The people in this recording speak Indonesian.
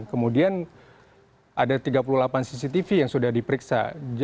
kemudian ada tiga puluh delapan cctv yang sudah diperiksa